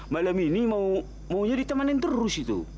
malam ini maunya ditemanin terus itu